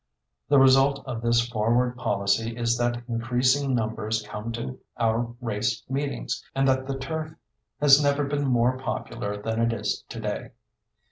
The result of this forward policy is that increasing numbers come to our race meetings and that the turf has never been more popular than it is today.